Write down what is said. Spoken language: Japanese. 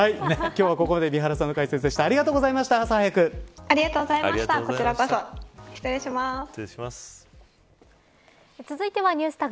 今日はここまで三原さんの解説でした。